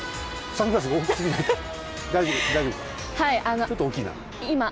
ちょっと大きいな。